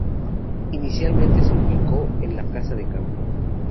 Inicialmente se ubicó en la Casa de Campo.